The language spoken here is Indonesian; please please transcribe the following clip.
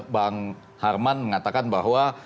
bang harman mengatakan bahwa